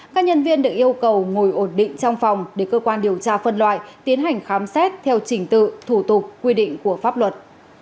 các nhân viên được yêu cầu ngồi ổn định trong phòng để cơ quan điều tra phân loại tiến hành khám xét theo trình tự thủ tục quy định của pháp luật